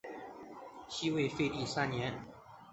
西魏废帝三年。